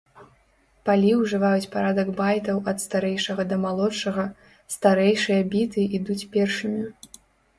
Палі ўжываюць парадак байтаў ад старэйшага да малодшага, старэйшыя біты ідуць першымі.